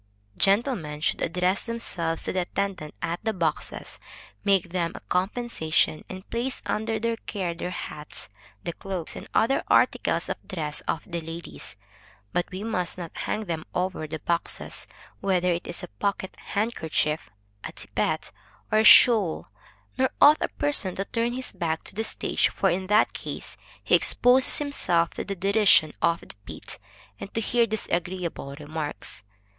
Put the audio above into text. Gentlemen should address themselves to the attendants at the boxes, make them a compensation, and place under their care their hats, the cloaks and other articles of dress of the ladies; but we must not hang them over the boxes, whether it is a pocket handkerchief, a tippet, or a shawl, &c. Nor ought a person to turn his back to the stage; for in that case, he exposes himself to the derision of the pit, and to hear disagreeable remarks.